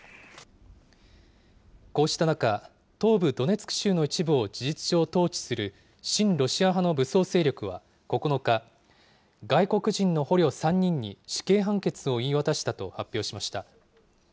こうした中、東部ドネツク州の一部を事実上統治する、親ロシア派の武装勢力は９日、外国人の捕虜３人に死刑判決を言い渡したと発表しました。